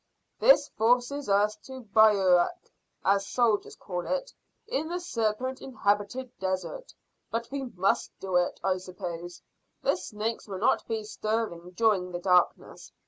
"This forces us to bivouac, as the soldiers call it, in the serpent inhabited desert. But we must do it, I suppose. The snakes will not be stirring during the darkness.